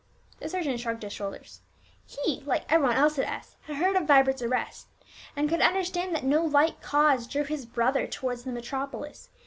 The surgeon shrugged his shoulders. He, like every one else at S , had heard of Vibert's arrest, and could understand that no light cause drew his brother towards the metropolis.